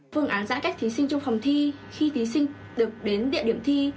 phương án giãn cách thí sinh trong phòng thi khi thí sinh được đến địa điểm thi